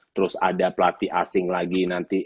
terus ada pelatih asing lagi nanti